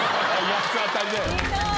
八つ当たりだよ。